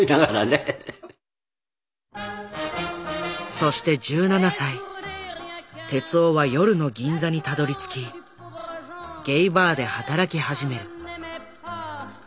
そして１７歳徹男は夜の銀座にたどりつきゲイバーで働き始める。